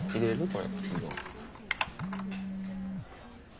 これ。